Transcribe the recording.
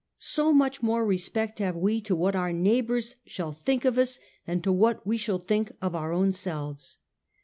So much more respect have we to what our neighbours shall think of us than to what we shall think of our own selves.